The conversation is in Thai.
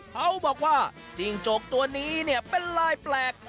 เขาบอกว่าจิ้งจกตัวนี้เนี่ยเป็นลายแปลก